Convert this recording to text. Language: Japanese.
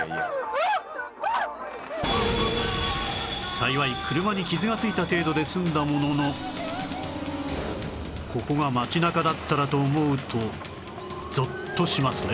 幸い車に傷が付いた程度で済んだもののここが街中だったらと思うとゾッとしますね